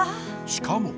しかも。